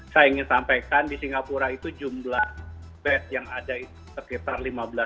saya ingin sampaikan di singapura itu jumlah bed yang ada itu sekitar lima belas